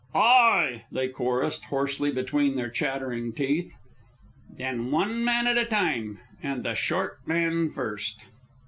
"Ay," they chorused hoarsely between their chattering teeth. "Then one man at a time, and the short men first."